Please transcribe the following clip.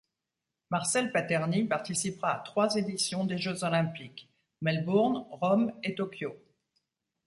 Marcel Paterni participera à trois éditions des jeux olympiques: Melbourne, Rome et Tokyo.